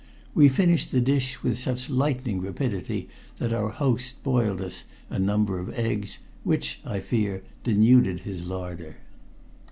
We finished the dish with such lightning rapidity that our host boiled us a number of eggs, which, I fear, denuded his larder.